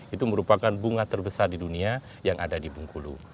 itu merupakan bunga terbesar di dunia yang ada di bengkulu